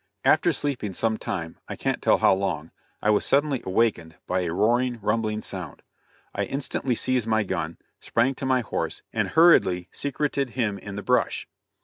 After sleeping some time I can't tell how long I was suddenly awakened by a roaring, rumbling sound. I instantly seized my gun, sprang to my horse, and hurriedly secreted him in the brush.